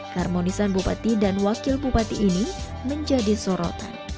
keharmonisan bupati dan wakil bupati ini menjadi sorotan